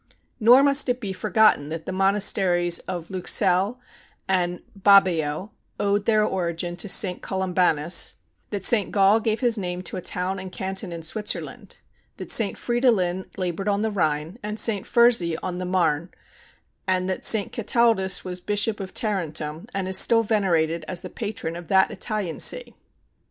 Nor must it be forgotten that the monasteries of Luxeuil and Bobbio owed their origin to St. Columbanus; that St. Gall gave his name to a town and canton in Switzerland; that St. Fridolin labored on the Rhine and St. Fursey on the Marne; and that St. Cathaldus was Bishop of Tarentum, and is still venerated as the patron of that Italian see.